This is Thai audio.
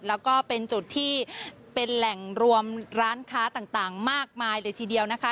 แล้วก็เป็นจุดที่เป็นแหล่งรวมร้านค้าต่างมากมายเลยทีเดียวนะคะ